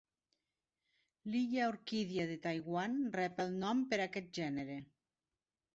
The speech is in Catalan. L'Illa orquídia de Taiwan rep el nom per aquest gènere.